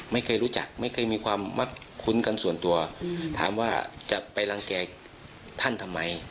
ไม่เคยรู้จักไม่เคยมีความมักคุ้นกันส่วนตัวถามว่าจะไปรังแก่ท่านทำไม